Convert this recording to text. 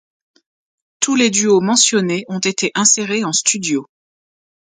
Tous les duos mentionnés ont été insérés en studio.